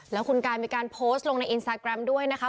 แล้วคุณกายมีการโพสต์ลงในอินสตาแกรมด้วยนะคะ